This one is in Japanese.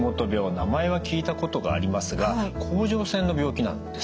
名前は聞いたことがありますが甲状腺の病気なんですね。